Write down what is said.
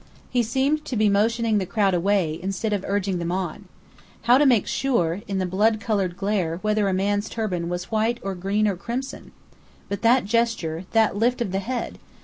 He seemed to be motioning the crowd away instead of urging them on. How to make sure, in the blood coloured glare, whether a man's turban was white or green or crimson? But that gesture that lift of the head!